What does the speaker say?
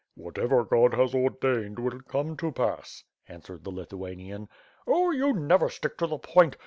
"Whatever God has ordained will come to pass," answered the Lithuanian. "Oh, you never stick to the point.